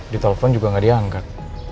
ditelepon juga nggak diangkat